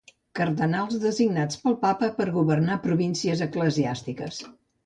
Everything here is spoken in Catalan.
Cardenals designats pel Papa per governar províncies eclesiàstiques.